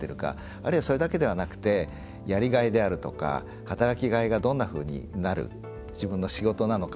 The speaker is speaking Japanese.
あるいは、それだけではなくてやりがいであるとか働きがいがどんなふうになる自分の仕事なのか。